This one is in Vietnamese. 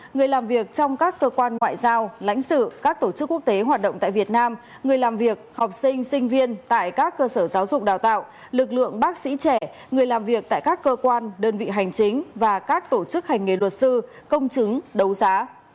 người làm việc trong các cơ quan ngoại giao lãnh sự các tổ chức quốc tế hoạt động tại việt nam người làm việc học sinh sinh viên tại các cơ sở giáo dục đào tạo lực lượng bác sĩ trẻ người làm việc tại các cơ quan đơn vị hành chính và các tổ chức hành nghề luật sư công chứng đấu giá